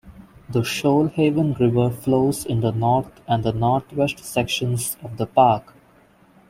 The Shoalhaven River flows in the north and northwest sections of the park.